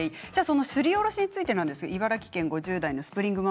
すりおろしについて茨城県５０代の方です。